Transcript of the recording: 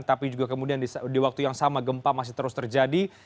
tapi juga kemudian di waktu yang sama gempa masih terus terjadi